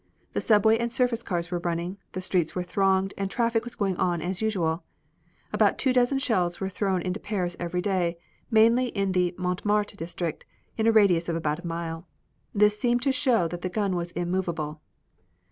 The subway and surface cars were running, the streets were thronged and traffic was going on as usual. About two dozen shells were thrown into Paris every day, mainly in the Montmartre district, in a radius of about a mile. This seemed to show that the gun was immovable.